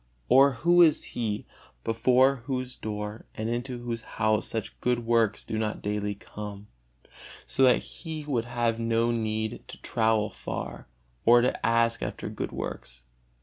Or who is he, before whose door and into whose house such good works do not daily come, so that he would have no need to travel far or to ask after good works?